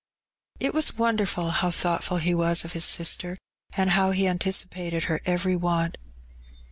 It was wonderful how thoughtful he was of his sister, and how he anticipated her every want.